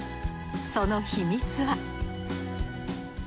その秘密は？